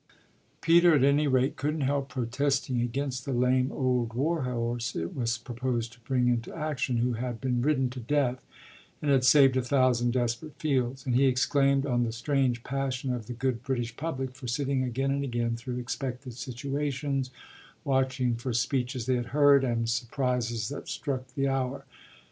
Peter at any rate couldn't help protesting against the lame old war horse it was proposed to bring into action, who had been ridden to death and had saved a thousand desperate fields; and he exclaimed on the strange passion of the good British public for sitting again and again through expected situations, watching for speeches they had heard and surprises that struck the hour.